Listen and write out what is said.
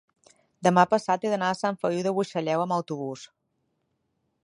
demà passat he d'anar a Sant Feliu de Buixalleu amb autobús.